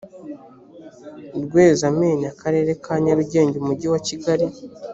rwezamenyo akarere ka nyarugenge umujyi wa kigali